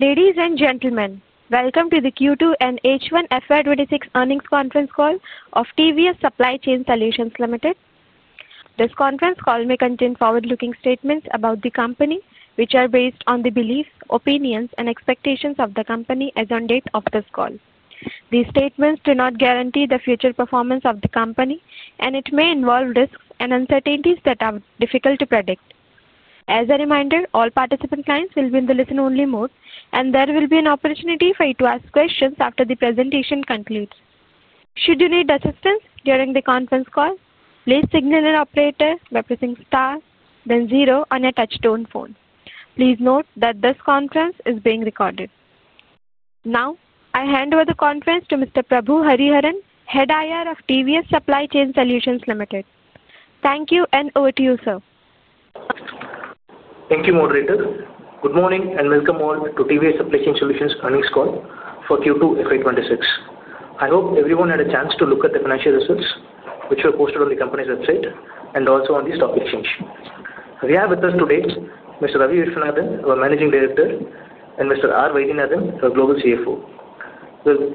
Ladies and gentlemen, welcome to the Q2 and H1 FY 2026 earnings conference call of TVS Supply Chain Solutions Limited. This conference call may contain forward-looking statements about the company, which are based on the beliefs, opinions, and expectations of the company as of the date of this call. These statements do not guarantee the future performance of the company, and it may involve risks and uncertainties that are difficult to predict. As a reminder, all participant clients will be in the listen-only mode, and there will be an opportunity for you to ask questions after the presentation concludes. Should you need assistance during the conference call, please signal your operator by pressing star, then zero on your touch-tone phone. Please note that this conference is being recorded. Now, I hand over the conference to Mr. Prabhu Hariharan, Head IR of TVS Supply Chain Solutions Limited.Thank you, and over to you, sir. Thank you. Good morning and welcome all to TVS Supply Chain Solutions earnings call for Q2 FY 2026. I hope everyone had a chance to look at the financial results, which were posted on the company's website and also on the stock exchange. We have with us today Mr. Ravi Viswanathan, our Managing Director, and Mr. R. Vaidhyanathan, our Global CFO.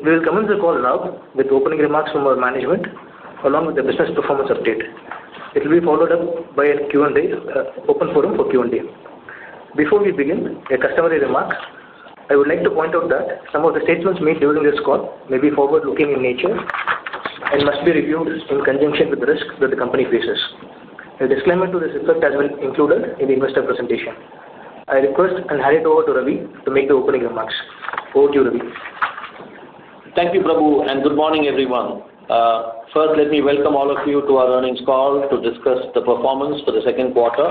We will commence the call now with opening remarks from our management, along with the business performance update. It will be followed up by an open forum for Q&A. Before we begin, a customary remark, I would like to point out that some of the statements made during this call may be forward-looking in nature and must be reviewed in conjunction with the risks that the company faces. A disclaimer to this effect has been included in the investor presentation. I request and hand it over to Ravi to make the opening remarks. Over to you, Ravi. Thank you, Prabhu, and good morning, everyone. First, let me welcome all of you to our earnings call to discuss the performance for the second quarter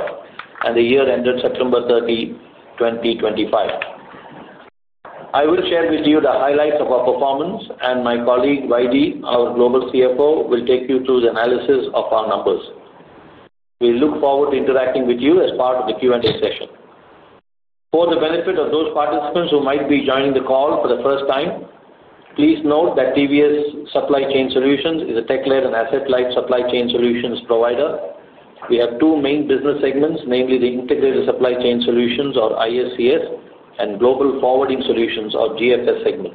and the year ended September 30, 2025. I will share with you the highlights of our performance, and my colleague Vaidhy, our Global CFO, will take you through the analysis of our numbers. We look forward to interacting with you as part of the Q&A session. For the benefit of those participants who might be joining the call for the first time, please note that TVS Supply Chain Solutions is a tech-led and asset-light supply chain solutions provider. We have two main business segments, namely the Integrated Supply Chain Solutions, or ISCS, and Global Forwarding Solutions, or GFS segment.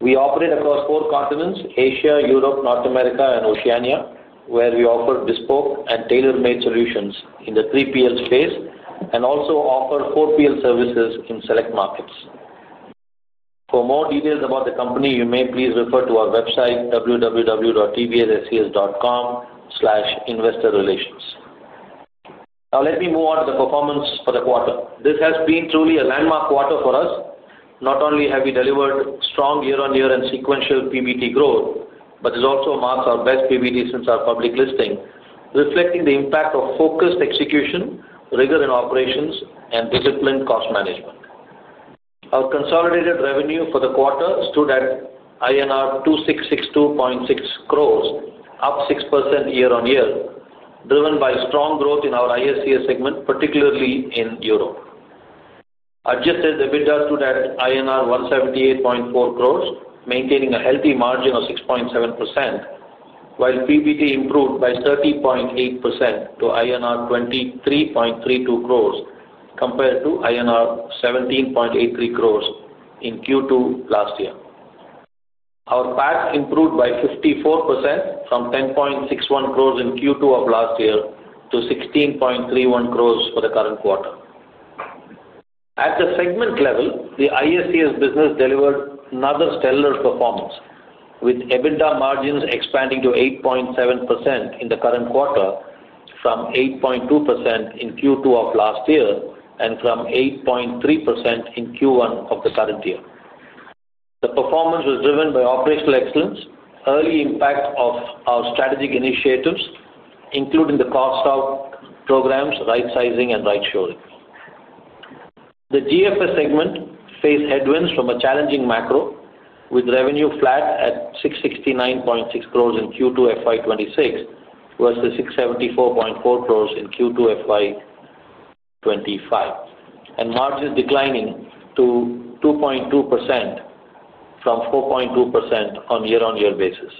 We operate across four continents: Asia, Europe, North America, and Oceania, where we offer bespoke and tailor-made solutions in the 3PL space and also offer 4PL services in select markets. For more details about the company, you may please refer to our website, www.tvsscs.com/investorrelations. Now, let me move on to the performance for the quarter. This has been truly a landmark quarter for us. Not only have we delivered strong year-on-year and sequential PBT growth, but it also marks our best PBT since our public listing, reflecting the impact of focused execution, rigor in operations, and disciplined cost management. Our consolidated revenue for the quarter stood at INR 2,662.6 crores, up 6% year-on-year, driven by strong growth in our ISCS segment, particularly in Europe. Adjusted EBITDA stood at INR 178.4 crores, maintaining a healthy margin of 6.7%, while PBT improved by 30.8% to INR 23.32 crores compared to INR 17.83 crores in Q2 last year. Our PAT improved by 54% from 10.61 crores in Q2 of last year to 16.31 crores for the current quarter. At the segment level, the ISCS business delivered another stellar performance, with EBITDA margins expanding to 8.7% in the current quarter from 8.2% in Q2 of last year and from 8.3% in Q1 of the current year. The performance was driven by operational excellence, early impact of our strategic initiatives, including the cost out programs, right-sizing, and right-shoring. The GFS segment faced headwinds from a challenging macro, with revenue flat at 669.6 crores in Q2 FY 2026 versus 674.4 crores in Q2 FY 2025, and margins declining to 2.2% from 4.2% on a year-on-year basis.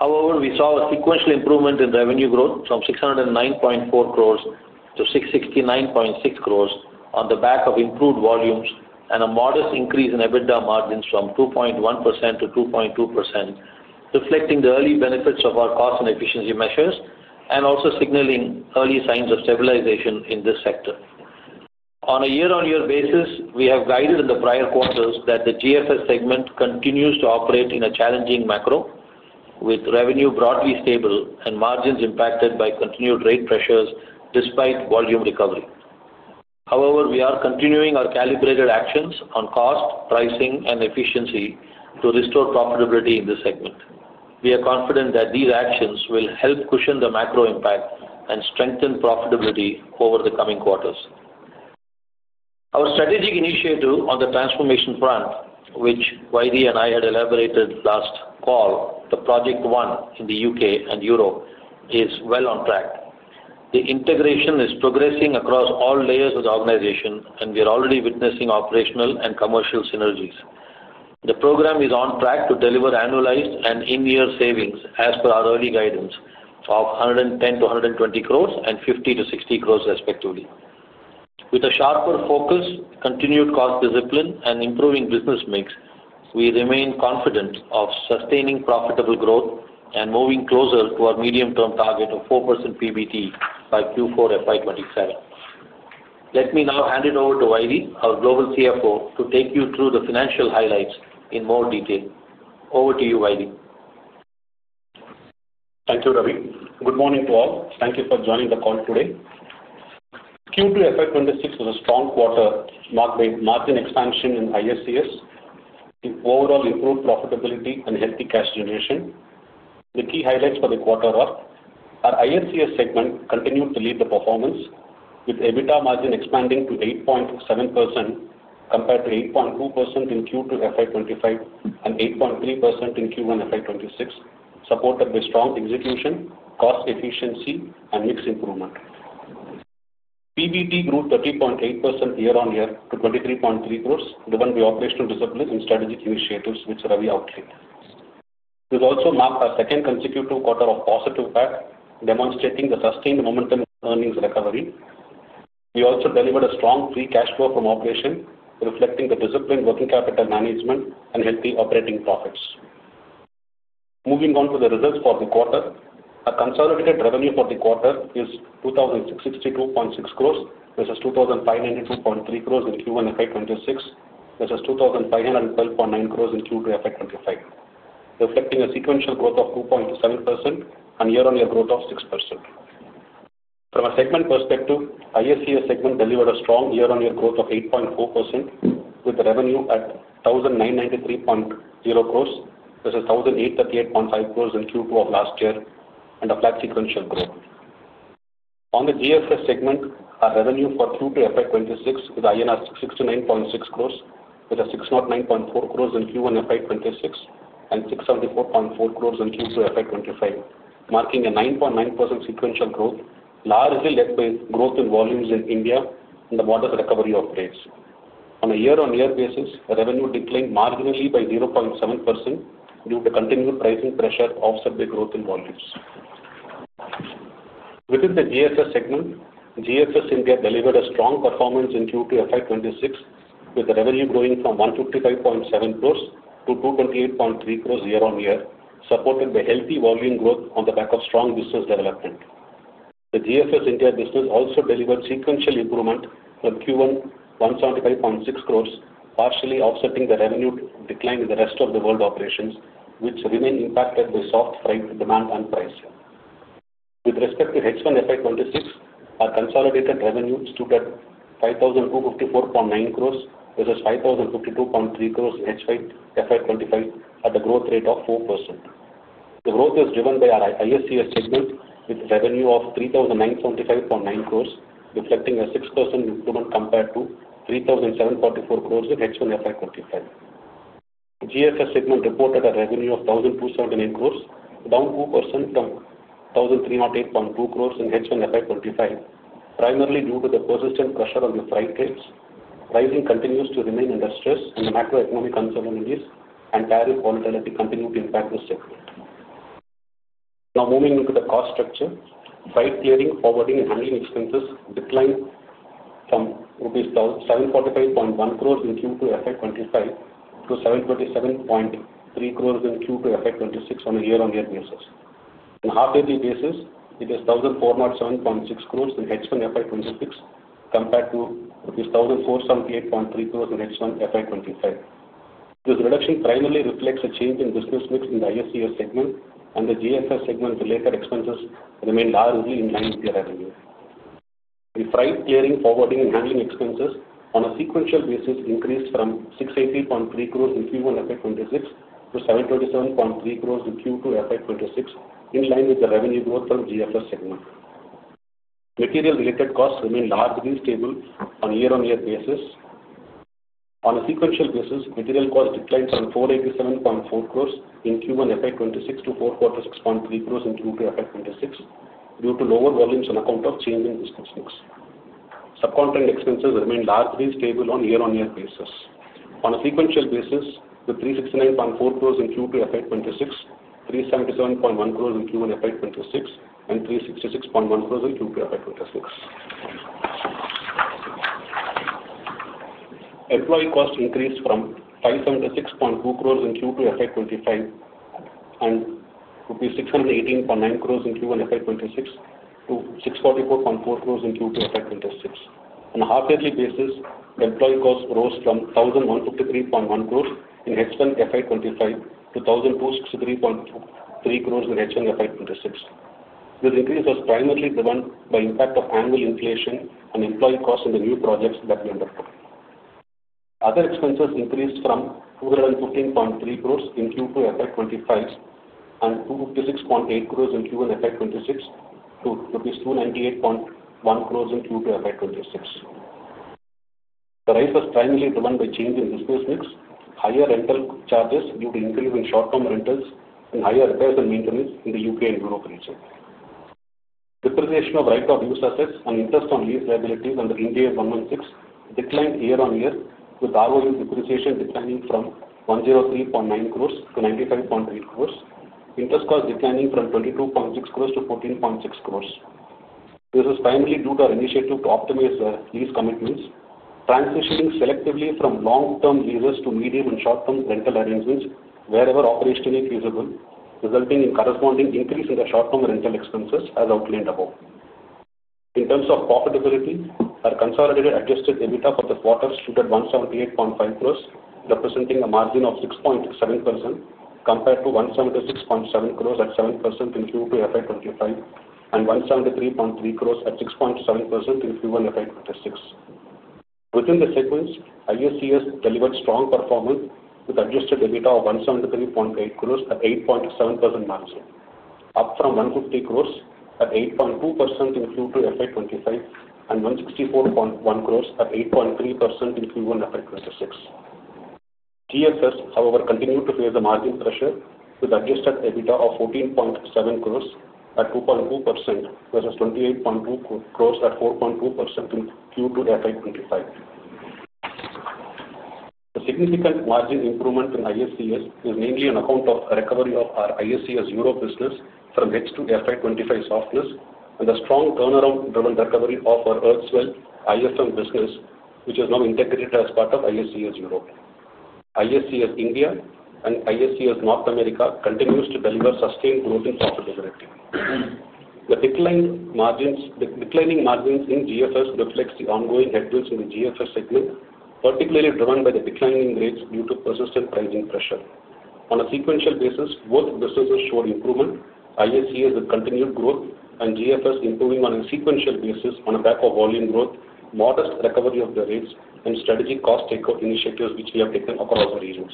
However, we saw a sequential improvement in revenue growth from 609.4 crores-669.6 crores on the back of improved volumes and a modest increase in EBITDA margins from 2.1%-2.2%, reflecting the early benefits of our cost and efficiency measures and also signaling early signs of stabilization in this sector. On a year-on-year basis, we have guided in the prior quarters that the GFS segment continues to operate in a challenging macro, with revenue broadly stable and margins impacted by continued rate pressures despite volume recovery. However, we are continuing our calibrated actions on cost, pricing, and efficiency to restore profitability in this segment. We are confident that these actions will help cushion the macro impact and strengthen profitability over the coming quarters. Our strategic initiative on the transformation front, which Vaidhy and I had elaborated last call, the Project One in the U.K. and Europe, is well on track. The integration is progressing across all layers of the organization, and we are already witnessing operational and commercial synergies. The program is on track to deliver annualized and in-year savings, as per our early guidance, of 110 crores-120 crores and 50 crores-60 crores, respectively. With a sharper focus, continued cost discipline, and improving business mix, we remain confident of sustaining profitable growth and moving closer to our medium-term target of 4% PBT by Q4 FY 2027. Let me now hand it over to Vaidhy, our Global CFO, to take you through the financial highlights in more detail. Over to you, Vaidhy. Thank you, Ravi. Good morning to all. Thank you for joining the call today. Q2 FY 2026 was a strong quarter, marked by margin expansion in ISCS, overall improved profitability, and healthy cash generation. The key highlights for the quarter are our ISCS segment continued to lead the performance, with EBITDA margin expanding to 8.7% compared to 8.2% in Q2 FY 2025 and 8.3% in Q1 FY 2026, supported by strong execution, cost efficiency, and mix improvement. PBT grew 30.8% year-on-year to 23.3 crores, driven by operational discipline and strategic initiatives, which Ravi outlined. We also marked our second consecutive quarter of positive PAT, demonstrating the sustained momentum in earnings recovery. We also delivered a strong free cash flow from operation, reflecting the discipline, working capital management, and healthy operating profits. Moving on to the results for the quarter, our consolidated revenue for the quarter is 2,662.6 crores, versus 2,592.3 crores in Q1 FY 2026, versus 2,512.9 crores in Q2 FY 2025, reflecting a sequential growth of 2.7% and year-on-year growth of 6%. From a segment perspective, the ISCS segment delivered a strong year-on-year growth of 8.4%, with revenue at 1,993.0 crores, versus 1,838.5 crores in Q2 of last year, and a flat sequential growth. On the GFS segment, our revenue for Q2 FY 2026 is INR 669.6 crores, with 609.4 crores in Q1 FY 2026 and 674.4 crores in Q2 FY 2025, marking a 9.9% sequential growth, largely led by growth in volumes in India and the modest recovery of trades. On a year-on-year basis, revenue declined marginally by 0.7% due to continued pricing pressure offset by growth in volumes. Within the GFS segment, GFS India delivered a strong performance in Q2 FY 2026, with revenue growing from 155.7 crores to 228.3 crores year-on-year, supported by healthy volume growth on the back of strong business development. The GFS India business also delivered sequential improvement from Q1 175.6 crores, partially offsetting the revenue decline in the rest of the world operations, which remained impacted by soft flight demand and pricing. With respect to H1 FY 2026, our consolidated revenue stood at 5,254.9 crores, versus 5,052.3 crores in H1 FY 2025, at a growth rate of 4%. The growth is driven by our ISCS segment, with revenue of 3,975.9 crores, reflecting a 6% improvement compared to 3,744 crores in H1 FY 2025. GFS segment reported a revenue of 1,278 crores, down 2% from 1,308.2 crores in H1 FY 2025, primarily due to the persistent pressure on the flight trades. Pricing continues to remain under stress, and macroeconomic uncertainties and tariff volatility continue to impact the segment. Now, moving into the cost structure, flight clearing, forwarding, and handling expenses declined from rupees 745.1 crores in Q2 FY 2025 to 727.3 crores in Q2 FY 2026 on a year-on-year basis. On a half-yearly basis, it is 1,407.6 crores in H1 FY 2026 compared to rupees 1,478.3 crores in H1 FY 2025. This reduction primarily reflects a change in business mix in the ISCS segment, and the GFS segment-related expenses remained largely in line with their revenue. The flight clearing, forwarding, and handling expenses on a sequential basis increased from 680.3 crores in Q1 FY 2026 to 727.3 crores in Q2 FY 2026, in line with the revenue growth from GFS segment. Material-related costs remained largely stable on a year-on-year basis. On a sequential basis, material costs declined from 487.4 crores in Q1 FY 2026 to 446.3 crores in Q2 FY 2026 due to lower volumes on account of changing business mix. Subcontent expenses remained largely stable on a year-on-year basis. On a sequential basis, with 369.4 crores in Q2 FY 2026, 377.1 crores in Q1 FY 2026, and 366.1 crores in Q2 FY 2026. Employee costs increased from 576.2 crores in Q2 FY 2025 and rupees 618.9 crores in Q1 FY 2026 to 644.4 crores in Q2 FY 2026. On a half-yearly basis, employee costs rose from 1,153.1 crores in H1 FY 2025 to 1,263.3 crores in H1 FY 2026. This increase was primarily driven by the impact of annual inflation on employee costs in the new projects that we undertook. Other expenses increased from 215.3 crores in Q2 FY 2025 and 256.8 crores in Q1 FY 2026 to INR 298.1 crores in Q2 FY 2026. The rise was primarily driven by changes in business mix, higher rental charges due to increasing short-term rentals, and higher repairs and maintenance in the U.K. and Europe region. Depreciation of right-of-use assets and interest on lease liabilities under IND AS 116 declined year-on-year, with ROU depreciation declining from 103.9 crores-95.8 crores, interest cost declining from 22.6 crores-14.6 crores. This was primarily due to our initiative to optimize lease commitments, transitioning selectively from long-term leases to medium and short-term rental arrangements wherever operationally feasible, resulting in corresponding increase in the short-term rental expenses, as outlined above. In terms of profitability, our consolidated Adjusted EBITDA for the quarter stood at 178.5 crores, representing a margin of 6.7% compared to 176.7 crores at 7% in Q2 FY 2025 and 173.3 crores at 6.7% in Q1 FY 2026. Within the segments, ISCS delivered strong performance with Adjusted EBITDA of 173.8 crores at 8.7% margin, up from 150 crores at 8.2% in Q2 FY 2025 and 164.1 crores at 8.3% in Q1 FY 2026. GFS, however, continued to face the margin pressure with Adjusted EBITDA of 14.7 crores at 2.2% versus 28.2 crores at 4.2% in Q2 FY 2025. The significant margin improvement in ISCS is mainly on account of the recovery of our ISCS Europe business from H2 FY 2025 softness and the strong turnaround-driven recovery of our Earth's Wealth IFM business, which is now integrated as part of ISCS Europe. ISCS India and ISCS North America continue to deliver sustained growth in profitability. The declining margins in GFS reflect the ongoing headwinds in the GFS segment, particularly driven by the declining rates due to persistent pricing pressure. On a sequential basis, both businesses showed improvement, ISCS with continued growth, and GFS improving on a sequential basis on a back-of-volume growth, modest recovery of the rates, and strategic cost-take-out initiatives which we have taken across regions.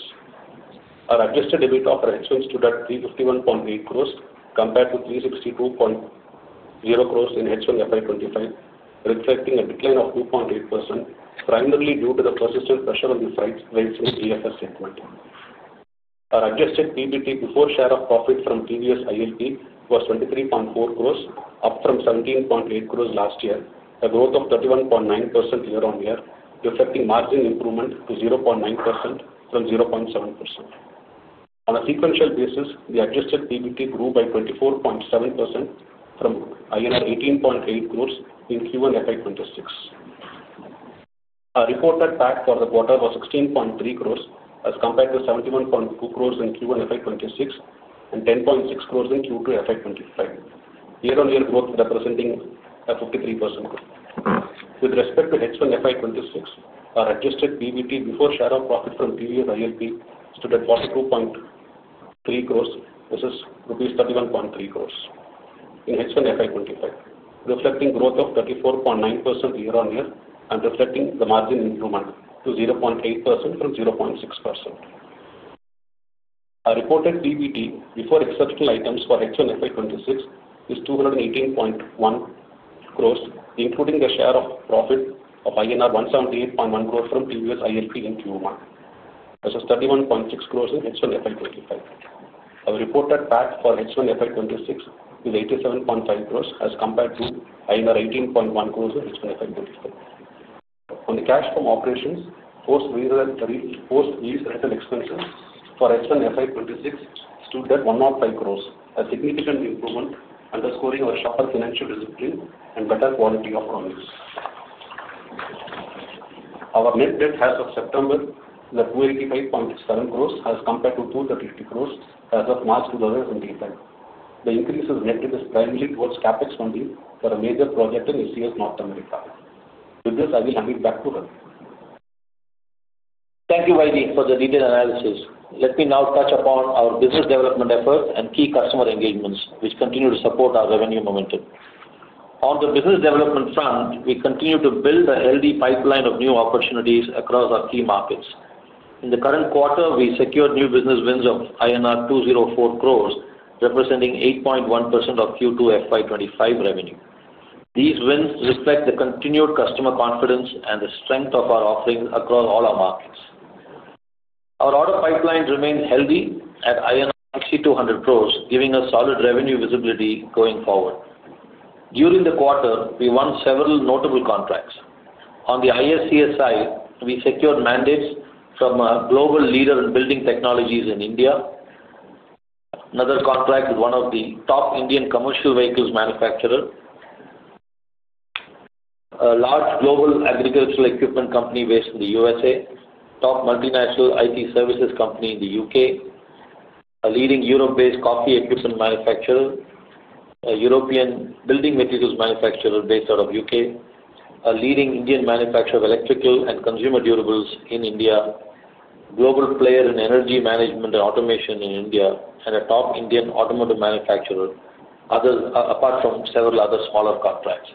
Our Adjusted EBITDA for H1 stood at 351.8 crores compared to 362.0 crores in H1 FY 2025, reflecting a decline of 2.8%, primarily due to the persistent pressure on the flight rates in the GFS segment. Our adjusted PBT before share of profit from previous ILP was 23.4 crores, up from 17.8 crores last year, a growth of 31.9% year-on-year, reflecting margin improvement to 0.9% from 0.7%. On a sequential basis, the adjusted PBT grew by 24.7% from INR 18.8 crores in Q1 FY 2026. Our reported PAT for the quarter was 16.3 crores, as compared to 71.2 crores in Q1 FY 2026 and 10.6 crores in Q2 FY 2025, year-on-year growth representing 53%. With respect to H1 FY 2026, our adjusted PBT before share of profit from previous ILP stood at 42.3 crores rupees, versus 31.3 crores rupees in H1 FY 2025, reflecting growth of 34.9% year-on-year and reflecting the margin improvement to 0.8% from 0.6%. Our reported PBT before exceptional items for H1 FY 2026 is 218.1 crores, including the share of profit of INR 178.1 crores from previous ILP in Q1, versus 31.6 crores in H1 FY 2025. Our reported PAT for H1 FY 2026 is 87.5 crores, as compared to INR 18.1 crores in H1 FY 2025. On the cash from operations, post-lease rental expenses for H1 FY 2026 stood at 105 crores, a significant improvement, underscoring our sharper financial discipline and better quality of volumes. Our net debt as of September is 285.7 crores, as compared to 238 crores as of March 2025. The increase in net debt is primarily towards CapEx funding for a major project in ISCS North America. With this, I will hand it back to Ravi. Thank you, Vaidhy, for the detailed analysis. Let me now touch upon our business development efforts and key customer engagements, which continue to support our revenue momentum. On the business development front, we continue to build a healthy pipeline of new opportunities across our key markets. In the current quarter, we secured new business wins of INR 204 crore, representing 8.1% of Q2 FY 2025 revenue. These wins reflect the continued customer confidence and the strength of our offerings across all our markets. Our order pipeline remains healthy at INR 6,200 crore, giving us solid revenue visibility going forward. During the quarter, we won several notable contracts. On the ISCS side, we secured mandates from a global leader in building technologies in India, another contract with one of the top Indian commercial vehicles manufacturers, a large global agricultural equipment company based in the USA, a top multinational IT services company in the U.K., a leading Europe-based coffee equipment manufacturer, a European building materials manufacturer based out of the U.K., a leading Indian manufacturer of electrical and consumer durables in India, a global player in energy management and automation in India, and a top Indian automotive manufacturer, apart from several other smaller contracts.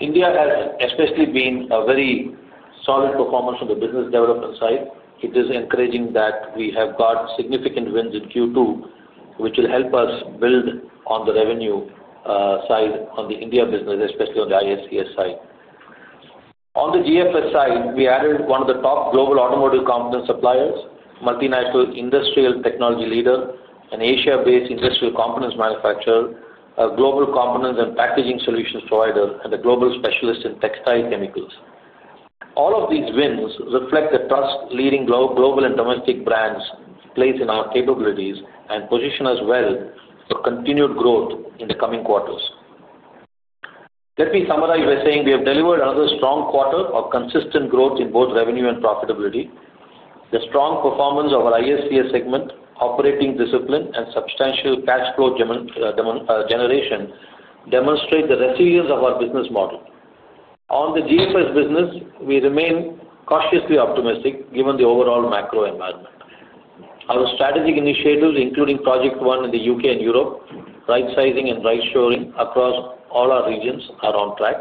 India has especially been a very solid performance on the business development side. It is encouraging that we have got significant wins in Q2, which will help us build on the revenue side on the India business, especially on the ISCS side. On the GFS side, we added one of the top global automotive component suppliers, a multinational industrial technology leader, an Asia-based industrial components manufacturer, a global components and packaging solutions provider, and a global specialist in textile chemicals. All of these wins reflect the trust leading global and domestic brands place in our capabilities and position us well for continued growth in the coming quarters. Let me summarize by saying we have delivered another strong quarter of consistent growth in both revenue and profitability. The strong performance of our ISCS segment, operating discipline, and substantial cash flow generation demonstrate the resilience of our business model. On the GFS business, we remain cautiously optimistic given the overall macro environment. Our strategic initiatives, including Project One in the U.K. and Europe, right-sizing and right-shoring across all our regions, are on track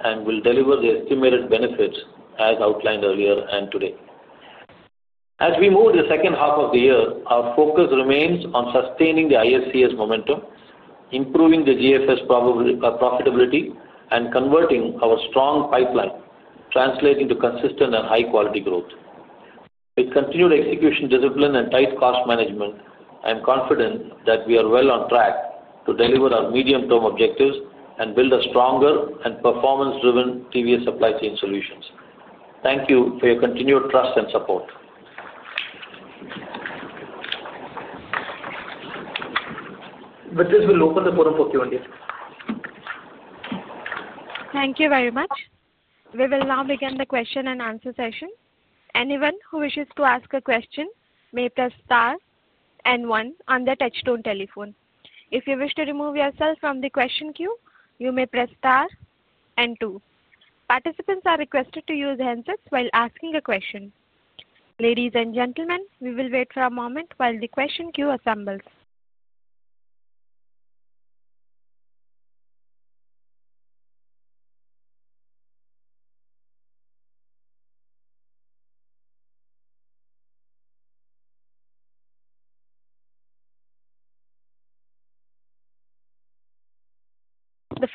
and will deliver the estimated benefits as outlined earlier and today. As we move to the second half of the year, our focus remains on sustaining the ISCS momentum, improving the GFS profitability, and converting our strong pipeline, translating to consistent and high-quality growth. With continued execution discipline and tight cost management, I am confident that we are well on track to deliver our medium-term objectives and build stronger and performance-driven TVS Supply Chain Solutions. Thank you for your continued trust and support. With this, we'll open the forum for Q&A. Thank you very much. We will now begin the question and answer session. Anyone who wishes to ask a question may press star and one on the touchstone telephone. If you wish to remove yourself from the question queue, you may press star and two. Participants are requested to use handsets while asking a question. Ladies and gentlemen, we will wait for a moment while the question queue assembles.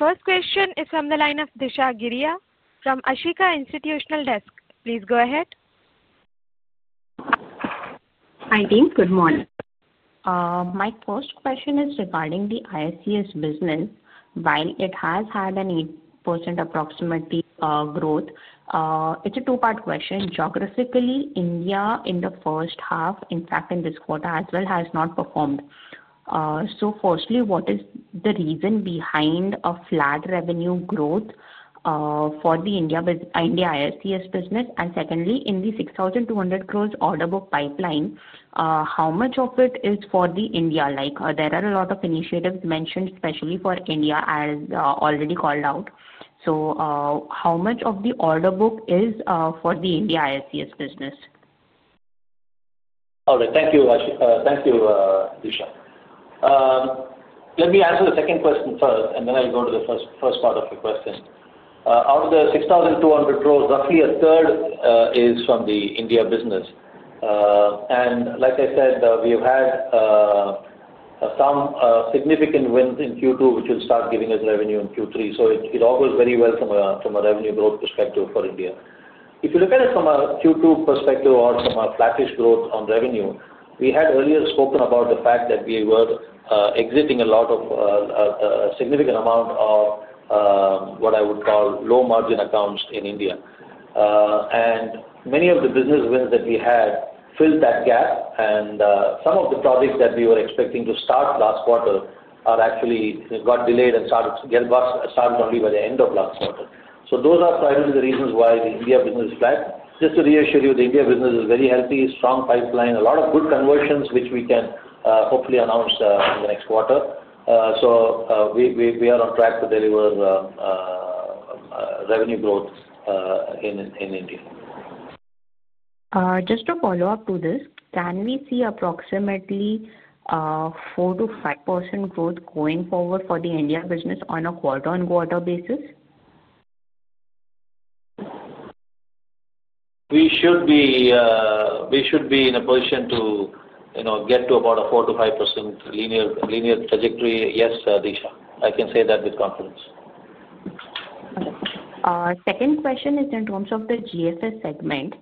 The first question is from the line of Disha Giria from Ashika Institutional Equities. Please go ahead. Hi, team. Good morning. My first question is regarding the ISCS business. While it has had an 8% approximate growth, it's a two-part question. Geographically, India in the first half, in fact, in this quarter as well, has not performed. Firstly, what is the reason behind a flat revenue growth for the India ISCS business? Secondly, in the 6,200 crores order book pipeline, how much of it is for India? There are a lot of initiatives mentioned, especially for India, as already called out. How much of the order book is for the India ISCS business? All right. Thank you, Disha. Let me answer the second question first, and then I'll go to the first part of your question. Out of the 6,200 crores, roughly a third is from the India business. Like I said, we have had some significant wins in Q2, which will start giving us revenue in Q3. It all goes very well from a revenue growth perspective for India. If you look at it from a Q2 perspective or from a flattish growth on revenue, we had earlier spoken about the fact that we were exiting a significant amount of what I would call low-margin accounts in India. Many of the business wins that we had filled that gap. Some of the projects that we were expecting to start last quarter actually got delayed and started only by the end of last quarter. Those are primarily the reasons why the India business is flat. Just to reassure you, the India business is very healthy, strong pipeline, a lot of good conversions, which we can hopefully announce in the next quarter. We are on track to deliver revenue growth in India. Just to follow up to this, can we see approximately 4%-5% growth going forward for the India business on a quarter-on-quarter basis? We should be in a position to get to about a 4%-5% linear trajectory. Yes, Disha. I can say that with confidence. Second question is in terms of the GFS segment.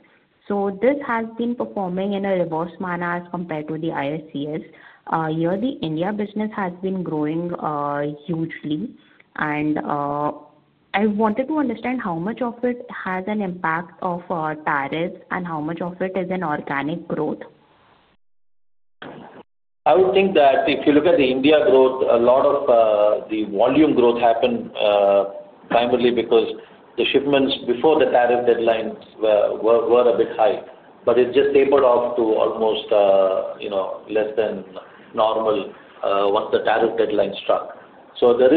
This has been performing in a reverse manner as compared to the ISCS. Here, the India business has been growing hugely. I wanted to understand how much of it has an impact of tariffs and how much of it is an organic growth. I would think that if you look at the India growth, a lot of the volume growth happened primarily because the shipments before the tariff deadlines were a bit high. It just tapered off to almost less than normal once the tariff deadline struck. There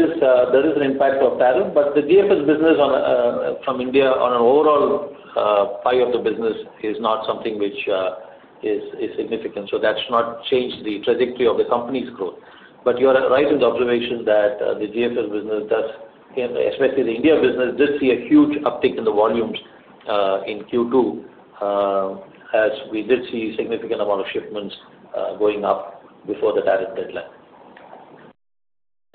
is an impact of tariff. The GFS business from India on an overall pie of the business is not something which is significant. That has not changed the trajectory of the company's growth. You are right in the observation that the GFS business, especially the India business, did see a huge uptick in the volumes in Q2, as we did see a significant amount of shipments going up before the tariff deadline.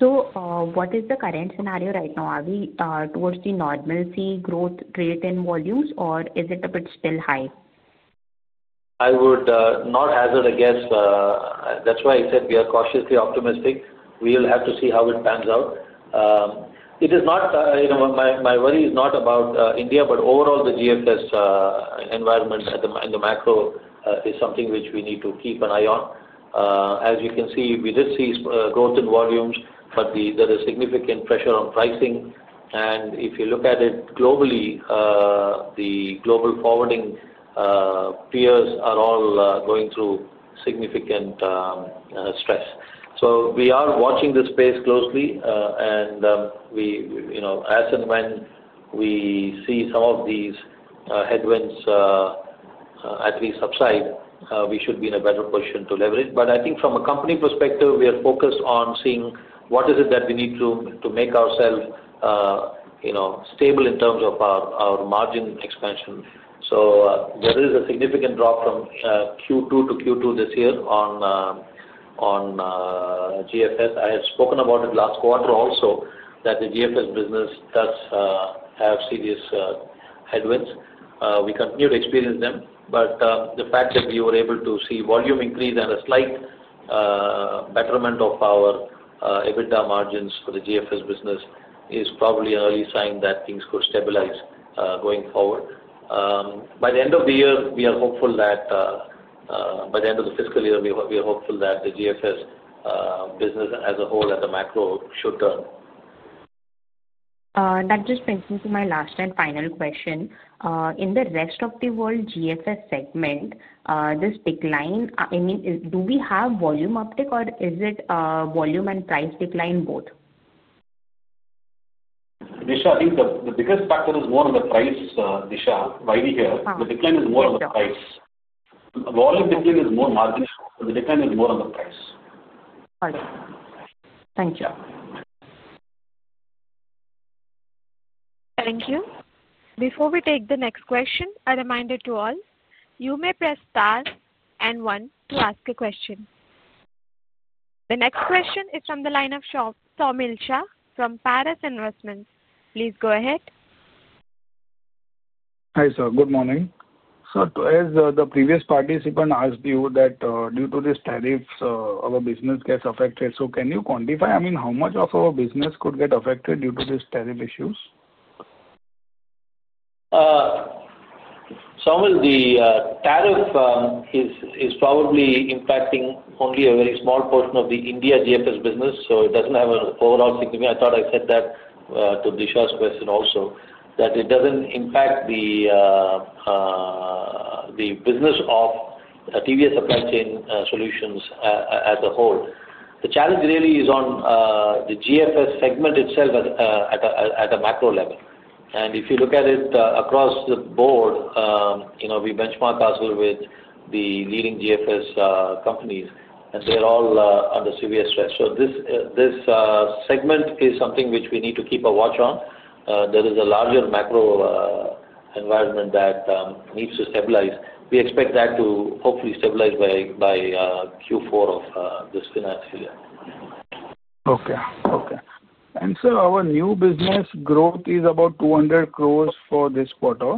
What is the current scenario right now? Are we towards the normalcy growth rate and volumes, or is it a bit still high? I would not hazard a guess. That's why I said we are cautiously optimistic. We will have to see how it pans out. My worry is not about India, but overall, the GFS environment in the macro is something which we need to keep an eye on. As you can see, we did see growth in volumes, but there is significant pressure on pricing. If you look at it globally, the global forwarding peers are all going through significant stress. We are watching this space closely. As and when we see some of these headwinds at least subside, we should be in a better position to leverage. I think from a company perspective, we are focused on seeing what is it that we need to make ourselves stable in terms of our margin expansion. There is a significant drop from Q2 to Q2 this year on GFS. I had spoken about it last quarter also, that the GFS business does have serious headwinds. We continue to experience them. The fact that we were able to see volume increase and a slight betterment of our EBITDA margins for the GFS business is probably an early sign that things could stabilize going forward. By the end of the year, we are hopeful that by the end of the fiscal year, we are hopeful that the GFS business as a whole at the macro should turn. That just brings me to my last and final question. In the rest of the world GFS segment, this decline, I mean, do we have volume uptick, or is it volume and price decline both? Disha, I think the biggest factor is more on the price, Disha. Right here, the decline is more on the price. Volume decline is more marginal, but the decline is more on the price. Got it. Thank you. Thank you. Before we take the next question, a reminder to all, you may press star and one to ask a question. The next question is from the line of Saumil Shah from Paris Investments. Please go ahead. Hi sir, good morning. As the previous participant asked you, due to these tariffs, our business gets affected. Can you quantify, I mean, how much of our business could get affected due to these tariff issues? Saumil, the tariff is probably impacting only a very small portion of the India GFS business. It does not have an overall significant impact. I thought I said that to Disha's question also, that it does not impact the business of TVS Supply Chain Solutions as a whole. The challenge really is on the GFS segment itself at a macro level. If you look at it across the board, we benchmark ourselves with the leading GFS companies, and they are all under severe stress. This segment is something which we need to keep a watch on. There is a larger macro environment that needs to stabilize. We expect that to hopefully stabilize by Q4 of this financial year. Okay. Okay. Our new business growth is about 200 crore for this quarter.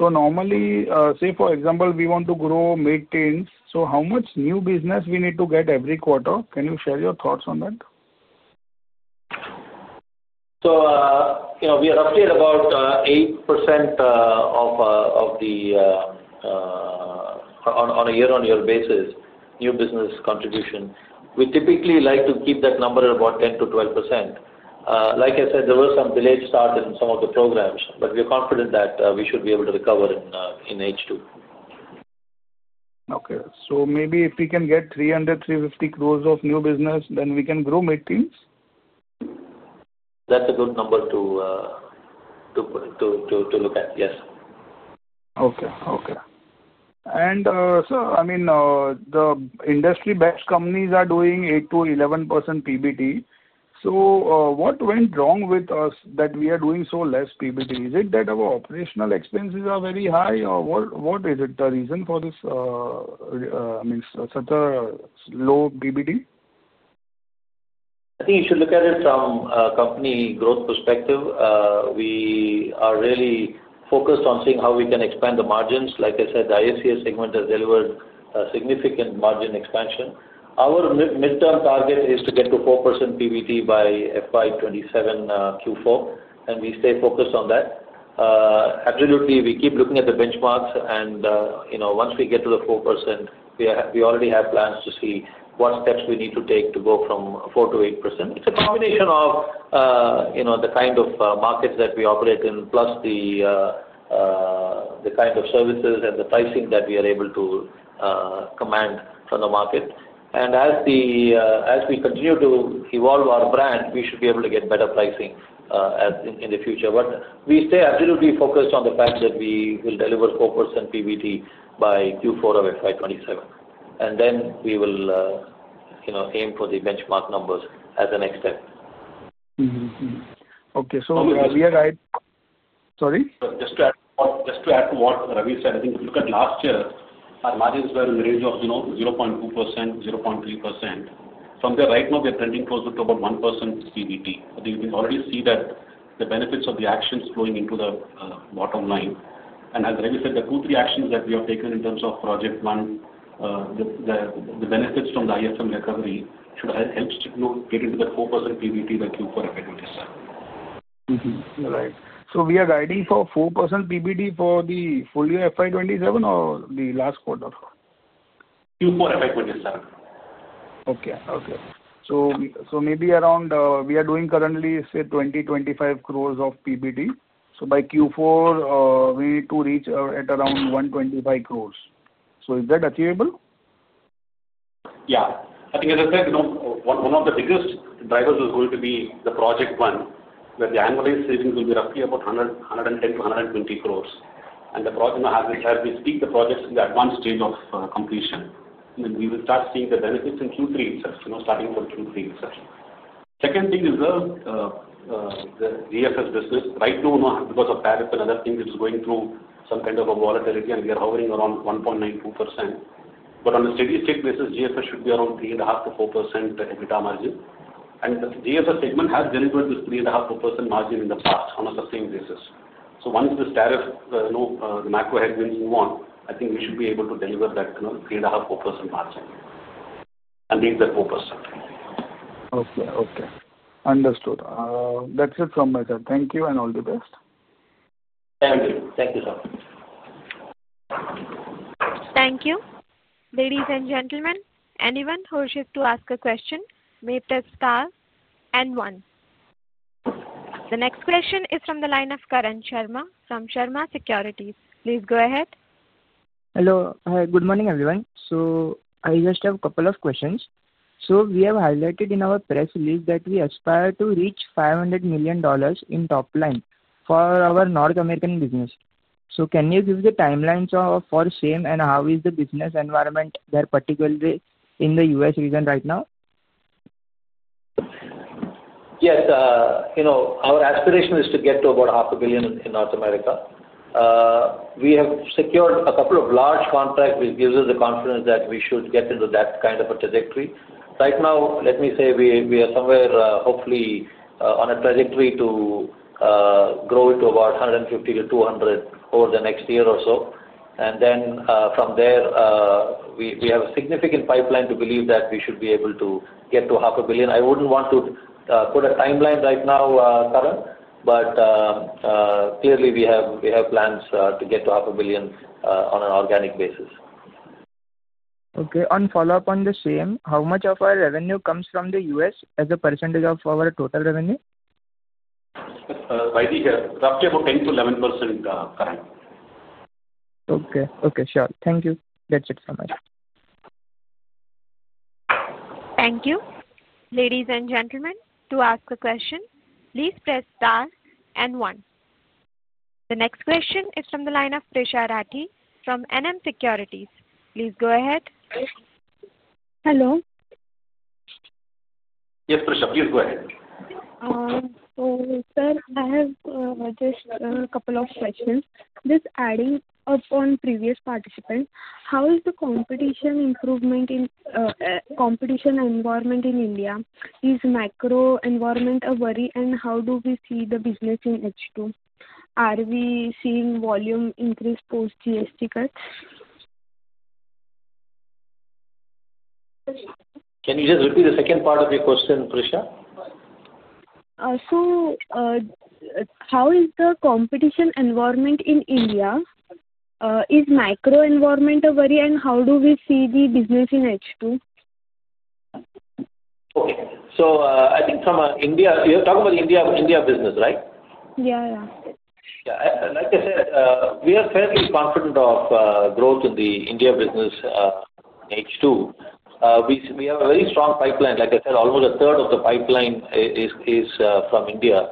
Normally, say, for example, we want to grow mid-tens. How much new business do we need to get every quarter? Can you share your thoughts on that? We are roughly at about 8% on a year-on-year basis, new business contribution. We typically like to keep that number at about 10%-12%. Like I said, there were some delayed start in some of the programs, but we are confident that we should be able to recover in H2. Okay. So maybe if we can get 300 crore-350 crore of new business, then we can grow mid-teens? That's a good number to look at. Yes. Okay. Okay. I mean, the industry-backed companies are doing 8%-11% PBT. What went wrong with us that we are doing so less PBT? Is it that our operational expenses are very high, or what is it, the reason for this, I mean, such a low PBT? I think you should look at it from a company growth perspective. We are really focused on seeing how we can expand the margins. Like I said, the ISCS segment has delivered significant margin expansion. Our mid-term target is to get to 4% PBT by FY 2027 Q4, and we stay focused on that. Absolutely, we keep looking at the benchmarks, and once we get to the 4%, we already have plans to see what steps we need to take to go from 4% to 8%. It is a combination of the kind of markets that we operate in, plus the kind of services and the pricing that we are able to command from the market. As we continue to evolve our brand, we should be able to get better pricing in the future. We stay absolutely focused on the fact that we will deliver 4% PBT by Q4 of FY 2027. Then we will aim for the benchmark numbers as a next step. Okay. So we are right, sorry? Just to add to what Ravi said, I think if you look at last year, our margins were in the range of 0.2%-0.3%. From there, right now, we are trending closer to about 1% PBT. I think you can already see that the benefits of the actions flowing into the bottom line. As Ravi said, the two, three actions that we have taken in terms of Project One, the benefits from the ISM recovery should help get into the 4% PBT by Q4 FY 2027. Right. So we are guiding for 4% PBT for the full year FY 2027 or the last quarter? Q4 FY 2027. Okay. Okay. So maybe around we are doing currently, say, 20 crores-25 crores of PBT. So by Q4, we need to reach at around 125 crores. Is that achievable? Yeah. I think, as I said, one of the biggest drivers is going to be the Project One, where the annualized savings will be roughly about 110 crores-120 crores. As we speak, the project is in the advanced stage of completion. We will start seeing the benefits in Q3 itself, starting from Q3 itself. Second thing is the GFS business. Right now, because of tariff and other things, it is going through some kind of a volatility, and we are hovering around 1.92%. On a steady-state basis, GFS should be around 3.5%-4% EBITDA margin. The GFS segment has delivered this 3.5-4% margin in the past on a sustained basis. Once this tariff, the macro headwinds move on, I think we should be able to deliver that 3.5%-4% margin and reach that 4%. Okay. Okay. Understood. That's it from my side. Thank you and all the best. Thank you. Thank you, sir. Thank you. Ladies and gentlemen, anyone who wishes to ask a question may press star and one. The next question is from the line of Karan Sharma from Sharma Securities. Please go ahead. Hello. Good morning, everyone. I just have a couple of questions. We have highlighted in our press release that we aspire to reach $500 million in top line for our North American business. Can you give the timelines for the same and how is the business environment there, particularly in the U.S. region right now? Yes. Our aspiration is to get to about $500,000,000 in North America. We have secured a couple of large contracts, which gives us the confidence that we should get into that kind of a trajectory. Right now, let me say we are somewhere hopefully on a trajectory to grow it to about $150,000,000-$200,000,000 over the next year or so. From there, we have a significant pipeline to believe that we should be able to get to $500,000,000. I would not want to put a timeline right now, Karan, but clearly, we have plans to get to $500,000,000 on an organic basis. Okay. On follow-up on the same, how much of our revenue comes from the U.S. as a percentage of our total revenue? Right here, roughly about 10%-11%, Karan. Okay. Okay. Sure. Thank you. That's it from me. Thank you. Ladies and gentlemen, to ask a question, please press star and one. The next question is from the line of Prisha Rathi from NM Securities. Please go ahead. Hello. Yes, Prisha, please go ahead. Sir, I have just a couple of questions. Just adding up on previous participants, how is the competition environment in India? Is macro environment a worry, and how do we see the business in H2? Are we seeing volume increase post GST cuts? Can you just repeat the second part of your question, Prisha? How is the competition environment in India? Is macro environment a worry, and how do we see the business in H2? Okay. I think from India, you're talking about India business, right? Yeah. Yeah. Yeah. Like I said, we are fairly confident of growth in the India business in H2. We have a very strong pipeline. Like I said, almost a third of the pipeline is from India.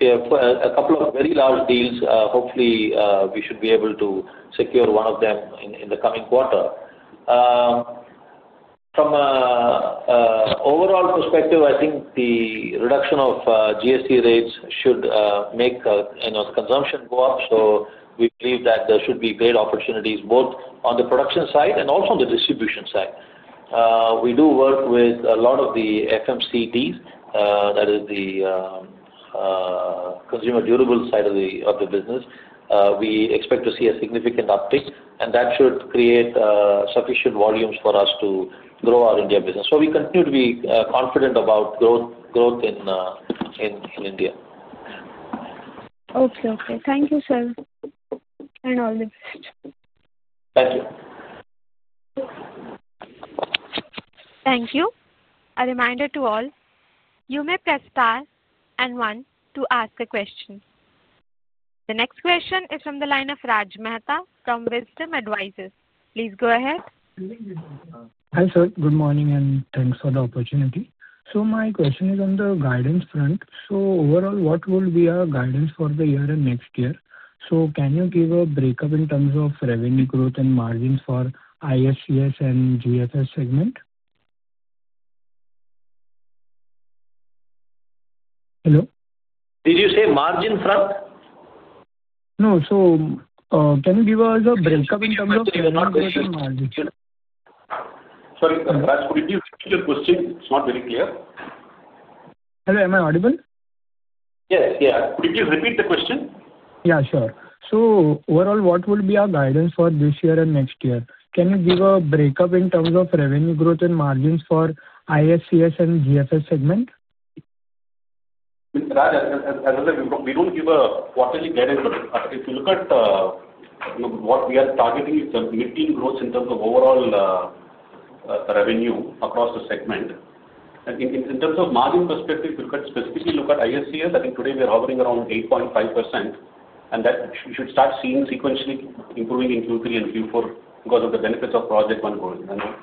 We have a couple of very large deals. Hopefully, we should be able to secure one of them in the coming quarter. From an overall perspective, I think the reduction of GST rates should make the consumption go up. We believe that there should be great opportunities both on the production side and also on the distribution side. We do work with a lot of the FMCGs, that is, the consumer durable side of the business. We expect to see a significant uptick, and that should create sufficient volumes for us to grow our India business. We continue to be confident about growth in India. Okay. Okay. Thank you, sir. And all the best. Thank you. Thank you. A reminder to all, you may press star and one to ask a question. The next question is from the line of Raj Mehta from Wisdom Advisors. Please go ahead. Hi sir. Good morning and thanks for the opportunity. My question is on the guidance front. Overall, what will be our guidance for the year and next year? Can you give a breakup in terms of revenue growth and margins for ISCS and GFS segment? Hello? Did you say margin front? No. Can you give us a breakup in terms of revenue growth and margin? Sorry, Raj, could you repeat your question? It's not very clear. Hello, am I audible? Yes. Yeah. Could you repeat the question? Yeah. Sure. So overall, what will be our guidance for this year and next year? Can you give a breakup in terms of revenue growth and margins for ISCS and GFS segment? Raj, as I said, we do not give a quarterly guidance, but if you look at what we are targeting, it is a mid-year growth in terms of overall revenue across the segment. In terms of margin perspective, if you specifically look at ISCS, I think today we are hovering around 8.5%, and that should start seeing sequentially improving in Q3 and Q4 because of the benefits of Project One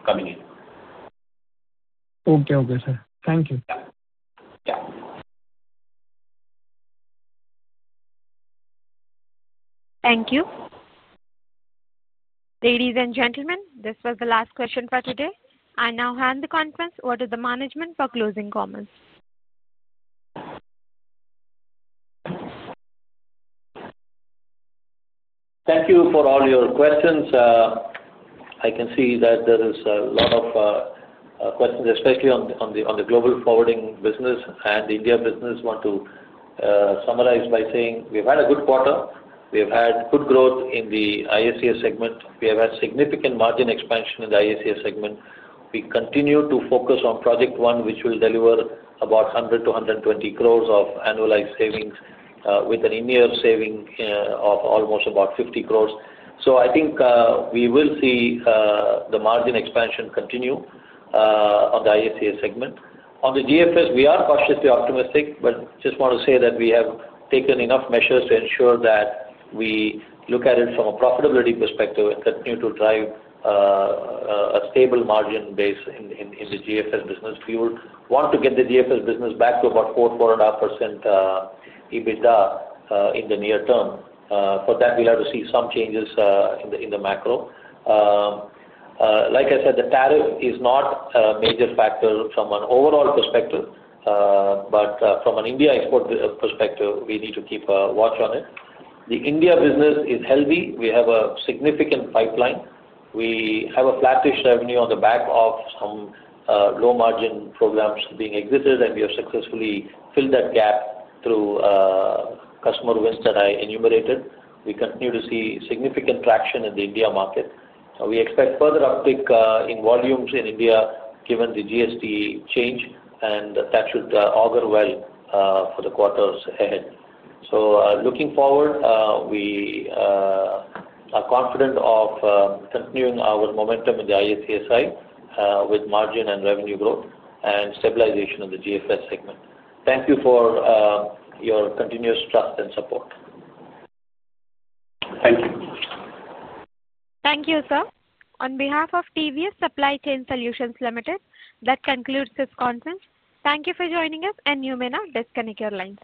coming in. Okay. Okay, sir. Thank you. Yeah. Yeah. Thank you. Ladies and gentlemen, this was the last question for today. I now hand the conference over to the management for closing comments. Thank you for all your questions. I can see that there is a lot of questions, especially on the global forwarding business and India business. I want to summarize by saying we've had a good quarter. We have had good growth in the ISCS segment. We have had significant margin expansion in the ISCS segment. We continue to focus on Project One, which will deliver about 100-120 crores of annualized savings with an in-year saving of almost about 50 crores. I think we will see the margin expansion continue on the ISCS segment. On the GFS, we are cautiously optimistic, but just want to say that we have taken enough measures to ensure that we look at it from a profitability perspective and continue to drive a stable margin base in the GFS business. We would want to get the GFS business back to about 4-4.5% EBITDA in the near term. For that, we'll have to see some changes in the macro. Like I said, the tariff is not a major factor from an overall perspective, but from an India export perspective, we need to keep a watch on it. The India business is healthy. We have a significant pipeline. We have a flattish revenue on the back of some low-margin programs being exited, and we have successfully filled that gap through customer wins that I enumerated. We continue to see significant traction in the India market. We expect further uptick in volumes in India given the GST change, and that should augur well for the quarters ahead. Looking forward, we are confident of continuing our momentum in the ISCS side with margin and revenue growth and stabilization of the GFS segment. Thank you for your continuous trust and support. Thank you. Thank you, sir. On behalf of TVS Supply Chain Solutions Limited, that concludes this conference. Thank you for joining us, and you may now disconnect your lines.